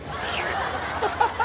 ハハハハ！